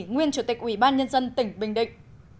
nguyên chủ tịch ủy ban nhân dân tỉnh bình định